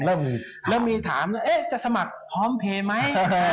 เริ่มมีถามแล้วจะสมัครพร้อมเพลย์ไหม